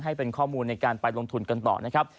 ให้เป็นข้อมูลในการไปลงทุนกันต่อนะครับ